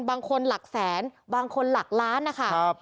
บางคนหลักแสนบางคนหลักล้านนะคะ